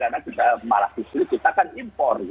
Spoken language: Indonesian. karena kita malah disini kita kan impor gitu